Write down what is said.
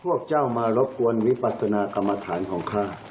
พวกเจ้ามารบกวนวิปัสนากรรมฐานของข้า